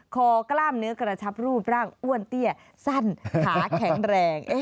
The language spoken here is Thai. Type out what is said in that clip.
กล้ามเนื้อกระชับรูปร่างอ้วนเตี้ยสั้นขาแข็งแรง